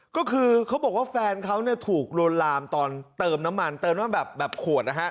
ก็คือเขาบอกว่าแฟนเขาเนี่ยถูกลวนลามตอนเติมน้ำมันเติมน้ำแบบขวดนะฮะ